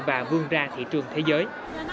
và vươn ra thị trường thế giới